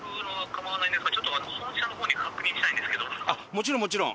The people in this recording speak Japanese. もちろんもちろん。